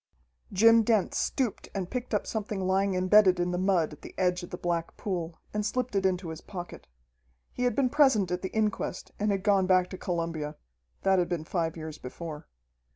Jim Dent stooped and picked up something lying imbedded in the mud at the edge of the black pool, and slipped it into his pocket. He had been present at the inquest and had gone back to Columbia. That had been five years before.